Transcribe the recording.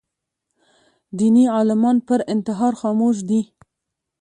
دیني عالمان پر انتحار خاموش دي